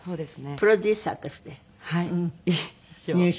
プロデューサーとして入社。